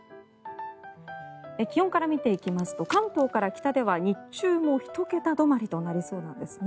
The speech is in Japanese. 気温から見ていきますと関東から北では日中も１桁止まりとなりそうなんですね。